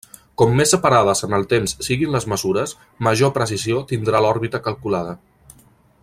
Com més separades en el temps siguin les mesures, major precisió tindrà l'òrbita calculada.